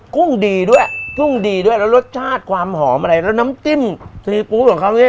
กุ้งดีด้วยแล้วรสชาติความหอมอะไรแล้วน้ำจิ้มสีปูกกว่านี้